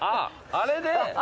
あれで。